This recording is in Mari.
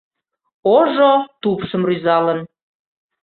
Ожо тупшым рӱзалын.